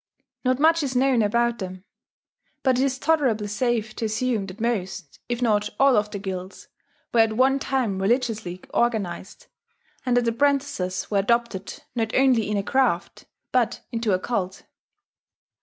Not much is known about them. But it is tolerably safe to assume that most, if not all of the guilds, were at one time religiously organized, and that apprentices were adopted not only in a craft, but into a cult.